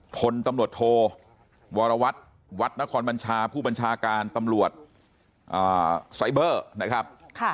พลตำรวจโทวรวัตรวัดนครบัญชาผู้บัญชาการตำรวจไซเบอร์นะครับ